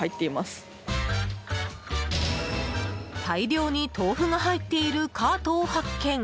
大量に豆腐が入っているカートを発見。